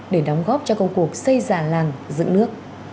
để đóng góp cho công cuộc xây già làng dựng nước